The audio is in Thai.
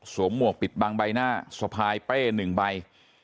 สวมมวกปิดบางใบหน้าสะพายเป้นหนึ่งใบ